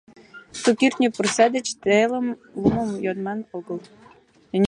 — Ту кӱртньӧ пурса деч телым лумым йодман огыл!